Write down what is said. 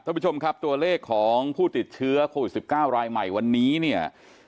ท่านผู้ชมครับตัวเลขของผู้ติดเชื้อโควิด๑๙รายใหม่วันนี้เนี่ย